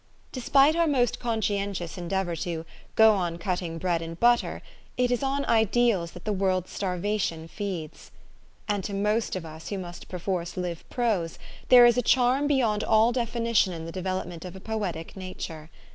Despite our most conscientious endeavor to " go on cutting bread and butter," it is on ideals that the world's starvation feeds. And to most of us who must perforce live prose, there is a charm be yond all definition in the development of a poetic nature.